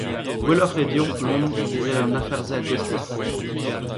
Gwelloc’h eo deomp, Lom, lezel an afer-se a-gostez.